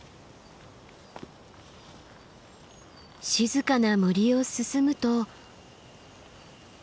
静かな森を進むと。